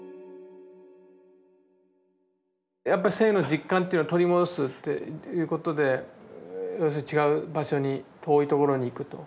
やっぱ生の実感というのを取り戻すっていうことで要するに違う場所に遠いところに行くと。